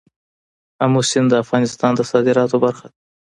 آمو سیند د افغانستان د صادراتو برخه ده.